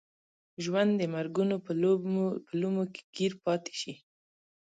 ژوند د مرګونو په لومو کې ګیر پاتې شي.